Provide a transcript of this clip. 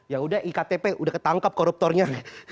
ya udah iktp udah ketangkep koruptornya